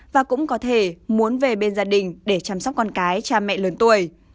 và cũng có thể muốn về bên gia đình để chăm sóc con cái cha mẹ lớn tuổi